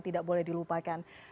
tidak boleh dilupakan